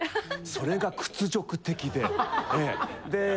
それが屈辱的で。